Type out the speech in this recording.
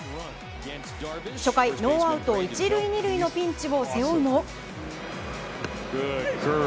初回、ノーアウト１塁２塁のピンチを背負うも。